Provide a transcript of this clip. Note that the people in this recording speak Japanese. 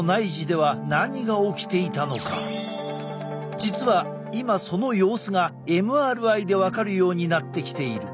実は今その様子がＭＲＩで分かるようになってきている。